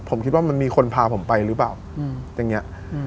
ผมคิดว่ามันมีคนพาผมไปหรือเปล่าอย่างนี้